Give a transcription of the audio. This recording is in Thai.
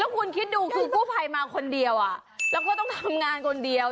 คุณคิดดูคือกู้ภัยมาคนเดียวแล้วก็ต้องทำงานคนเดียว